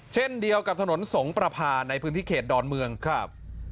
เช่นเดียวกับถนนสงประพาในพื้นที่เขตดอนเมืองครับ